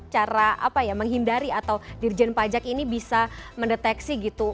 cara apa ya menghindari atau dirjen pajak ini bisa mendeteksi gitu